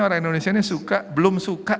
orang indonesia ini suka belum suka